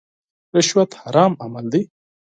رشوت حرام عمل دی.